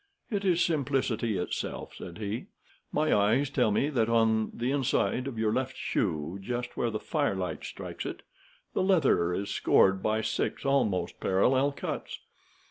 "It is simplicity itself," said he, "my eyes tell me that on the inside of your left shoe, just where the firelight strikes it, the leather is scored by six almost parallel cuts.